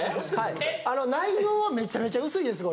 内容はめちゃめちゃ薄いですこれ。